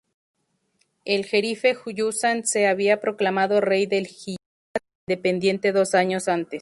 El jerife Husayn se había proclamado rey del Hiyaz independiente dos años antes.